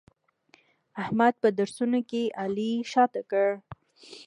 احمد په درسونو کې علي شاته کړ.